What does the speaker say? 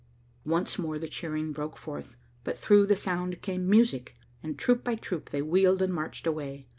Once more the cheering broke forth, but through the sound came music, and troop by troop, they wheeled and marched away.